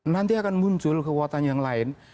nanti akan muncul kekuatan yang lain